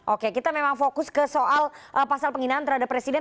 oke kita memang fokus ke soal pasal penghinaan terhadap presiden